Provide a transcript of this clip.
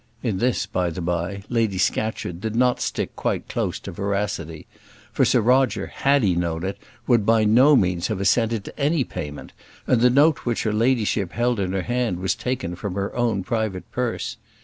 In this, by the by, Lady Scatcherd did not stick quite close to veracity, for Sir Roger, had he known it, would by no means have assented to any payment; and the note which her ladyship held in her hand was taken from her own private purse.